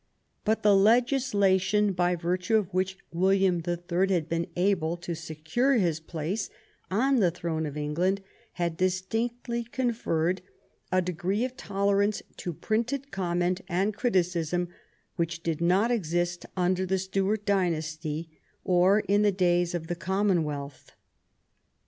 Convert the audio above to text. But the legislation by virtue of which William the Third had been able to secure his place on the throne of Eng land had distinctly conferred a degree of tolerance to printed comment and criticism which did not exist un der the Stuart dynasty or in the days of the Common wealth.